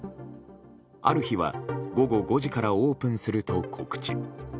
ある日は、午後５時からオープンすると告知。